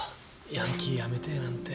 ヤンキーやめてえなんて。